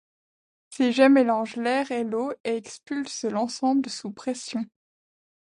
Ces jets mélangent l’air et l’eau et expulsent l’ensemble sous pression.